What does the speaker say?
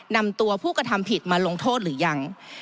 นำตัวผู้กระทำผิดมาลงโทษหรือยัง